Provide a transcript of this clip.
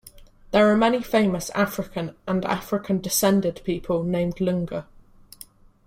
There are many famous African and African-descended people named Ilunga.